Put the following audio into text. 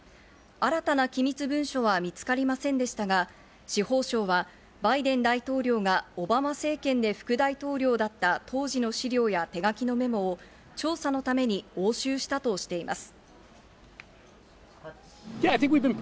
新たな機密文書は見つかりませんでしたが、司法省はバイデン大統領がオバマ政権で副大統領だった当時の資料や手書きのメモを調査のために押収したとしています。